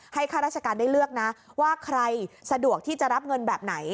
ข้าราชการได้เลือกนะว่าใครสะดวกที่จะรับเงินแบบไหน